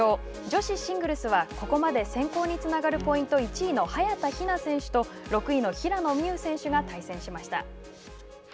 女子シングルスはここまで選考につながるポイント１位の早田ひな選手と６位の平野美宇選手が対戦しました。